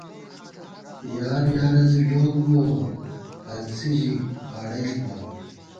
یار یارہ زی ڈوک بُوَہ بہ، ہنسی ژِی غاڑَئی ݪِمان